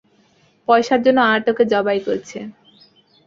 পয়সার জন্য আর্টকে জবাই করছে।